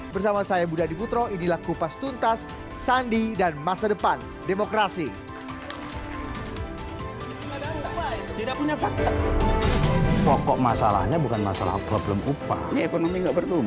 bersama saya budha diputro ini laku pas tuntas sandi dan masa depan demokrasi